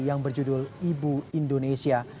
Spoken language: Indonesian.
yang berjudul ibu indonesia